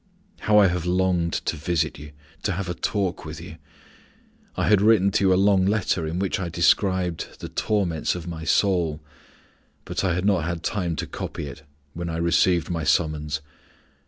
How I have longed to visit you, to have a talk with you! I had written to you a long letter in which I described the torments of my soul; but I had not had time to copy it, when I received my summons.